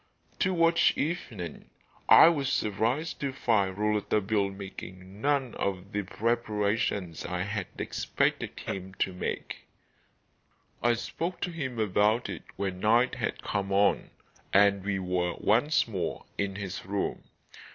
Towards evening I was surprised to find Rouletabille making none of the preparations I had expected him to make. I spoke to him about it when night had come on, and we were once more in his room.